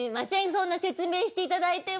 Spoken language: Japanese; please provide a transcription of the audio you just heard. そんな説明をしていただいて。